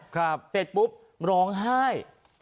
เสร็จปุ๊บร้องไห้